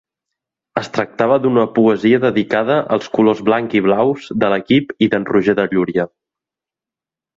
Es tractava d'una poesia dedicada als colors blanc-i-blaus de l'equip i d'en Roger de Llúria.